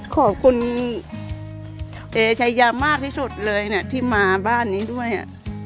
ขอบคุณเอชายามากที่สุดเลยเนี่ยที่มาบ้านนี้ด้วย